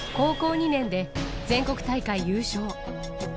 ２年で、全国大会優勝。